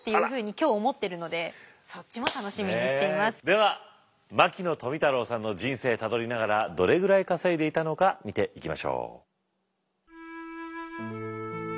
では牧野富太郎さんの人生たどりながらどれぐらい稼いでいたのか見ていきましょう。